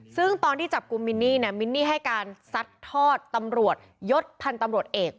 ซึ่งตอนที่จับกลุ่มมินนี่มินนี่ให้การซัดทอดตำรวจยศพันธ์ตำรวจเอก